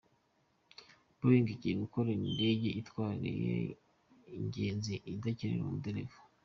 Boeing igiye gukora indege itwara ingenzi idakenera umudereva.